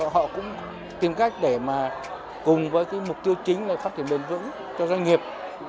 họ cũng tìm cách để mà cùng với mục tiêu chính là phát triển bền vững cho doanh nghiệp